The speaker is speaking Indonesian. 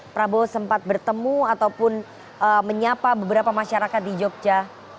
prabowo sempat bertemu ataupun menyapa beberapa masyarakat di jogja